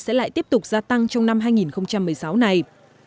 sẽ lại tiếp tục gia tăng trong năm hai nghìn một mươi sáu này